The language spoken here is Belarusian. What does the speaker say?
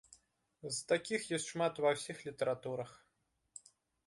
З такіх ёсць шмат ва ўсіх літаратурах.